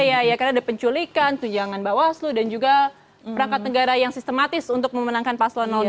iya ya karena ada penculikan tujangan bawaslu dan juga perangkat negara yang sistematis untuk memenangkan paslon dua